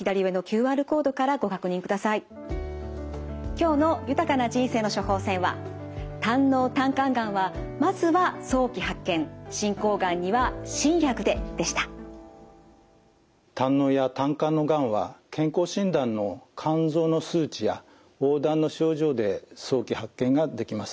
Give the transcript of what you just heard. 今日の「豊かな人生の処方せん」は胆のうや胆管のがんは健康診断の肝臓の数値や黄だんの症状で早期発見ができます。